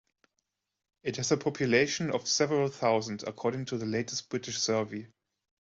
It has a population of several thousand according to the latest British Survey.